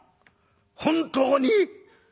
本当に？